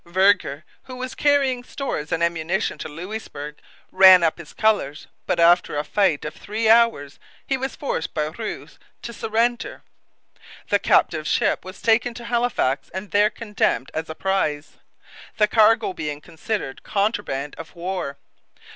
Vergor, who was carrying stores and ammunition to Louisbourg, ran up his colours, but after a fight of three hours he was forced by Rous to surrender. The captive ship was taken to Halifax and there condemned as a prize, the cargo being considered contraband of war.